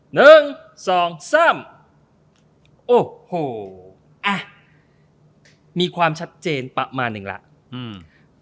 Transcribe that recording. หนึ่งสองสามโอ้โหอ่ะมีความชัดเจนประมาณหนึ่งแล้วอืม